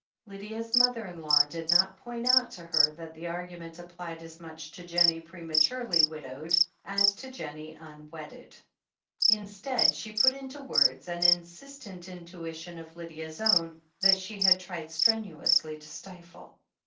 Lydia's mother in law did not point out to her that the argument applied as much to Jennie prematurely widowed as to Jennie unwedded. Instead she put into words an insistent intuition of Lydia's own, that she had tried strenuously to stifle.